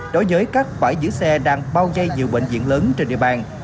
đối với các bãi giữ xe đang bao dây nhiều bệnh viện lớn trên địa bàn